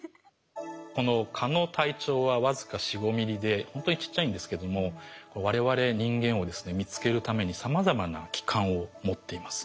この蚊の体長は僅か４５ｍｍでほんとにちっちゃいんですけども我々人間をですね見つけるためにさまざまな器官を持っています。